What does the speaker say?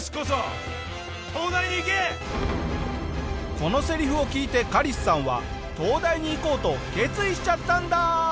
このセリフを聞いてカリスさんは東大に行こうと決意しちゃったんだ！